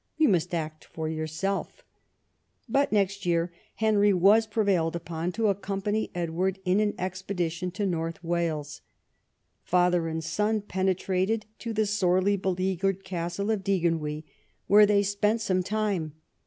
You must act for yourself." But next year Henry was prevailed upon to accompany Edward in an expedition to North Wales. Father and son penetrated to the sorely beleaguered castle of Deganwy, where they spent 22 EDWARD I chap. some time.